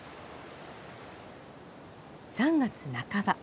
３月半ば。